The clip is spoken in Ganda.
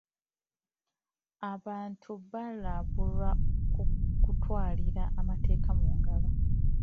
Abantu baalabulwa ku kutwalira amateeka mu ngalo.